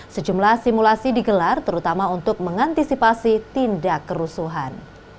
sejumlah simulasi digelar terutama untuk mengantisipasi tindak kerusuhan